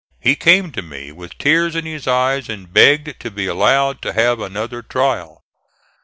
He came to me with tears in his eyes and begged to be allowed to have another trial.